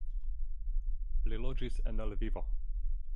Li loĝis en Lvivo.